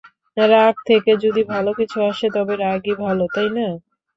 রাগ থেকে যদি ভালো কিছু আসে, তবে রাগই ভালো, তাইনা?